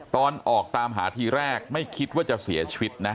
ตอนออกตามหาทีแรกไม่คิดว่าจะเสียชีวิตนะ